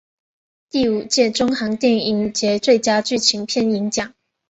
第五届中韩电影节最佳剧情片银奖。